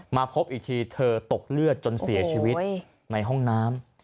มาพบอีกทีเธอตกเลือดจนเสียชีวิตในห้องน้ำ